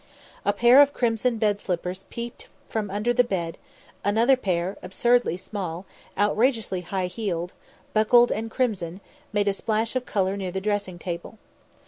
A pair of crimson bed slippers peeped from under the bed, another pair, absurdly small, outrageously high heeled, buckled and crimson, made a splash of colour near the dressing table.